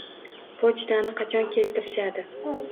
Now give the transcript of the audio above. Pochtani qachon keltirishadi?